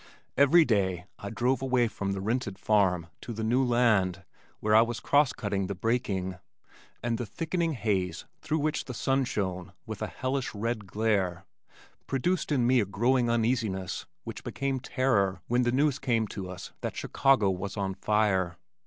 Every day I drove away from the rented farm to the new land where I was cross cutting the breaking, and the thickening haze through which the sun shone with a hellish red glare, produced in me a growing uneasiness which became terror when the news came to us that Chicago was on fire.